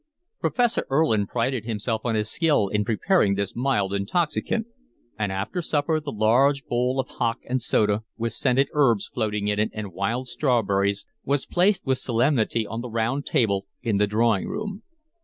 Professor Erlin prided himself on his skill in preparing this mild intoxicant, and after supper the large bowl of hock and soda, with scented herbs floating in it and wild strawberries, was placed with solemnity on the round table in the drawing room.